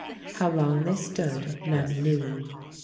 How long they stood none knew.